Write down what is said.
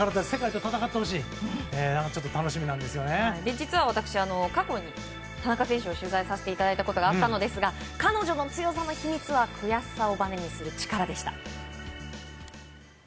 実は過去に田中選手を取材させていただいたことがあったんですが彼女の強さの秘密は悔しさをばねにする力でした。